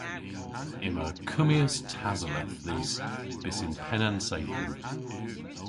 Yma kummyas tasoleth dhis bys yn penn an seythen.